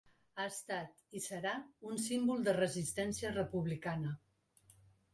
Ha estat i serà un símbol de resistència republicana.